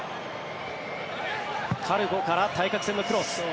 カルボから対角線のクロス。